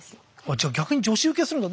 じゃあ逆に女子ウケするんだ。